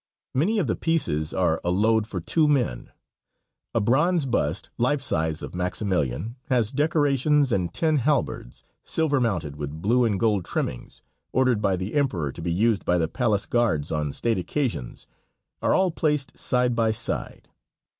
Many of the pieces are a load for two men. A bronze bust, life size, of Maximilian, has decorations and ten halberds, silver mounted with blue and gold trimmings, ordered by the emperor to be used by the Palace Guard on state occasions, are all placed side by side.